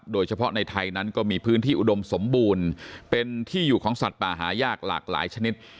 โดยเฉพาะในไทยนั้นก็มีพื้นที่อุดมสมบูรณ์เป็นที่อยู่ของสัตว์ป่าหายากหลากหลายชนิด